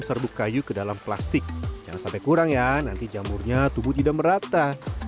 tiga kg serbu kayu ke dalam plastik jangan sampai kurang ya nanti jamurnya tumbuh tidak merata